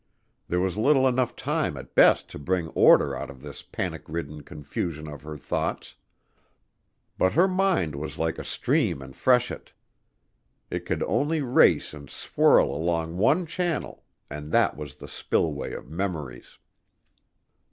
There was little enough time at best to bring order out of this panic ridden confusion of her thoughts. But her mind was like a stream in freshet. It could only race and swirl along one channel, and that was the spillway of memories.